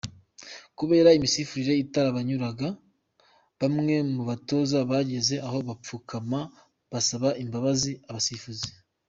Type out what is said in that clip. Kubera imisifurire itarabanyuraga, bamwe mu batoza bageze aho bapfukama basaba imbabazi abasifuzi.